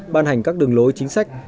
ban hành các đường lối chính sách